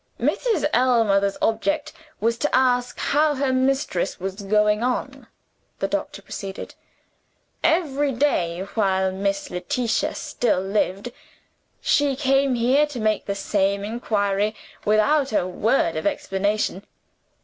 "Mrs. Ellmother's object was to ask how her mistress was going on," the doctor proceeded. "Every day while Miss Letitia still lived, she came here to make the same inquiry without a word of explanation.